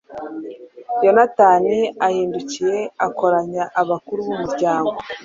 yonatani ahindukiye akoranya abakuru b'umuryango